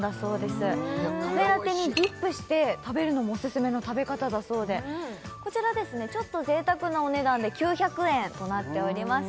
これおいしいカフェラテにディップして食べるのもオススメの食べ方だそうでこちらちょっと贅沢なお値段で９００円となっております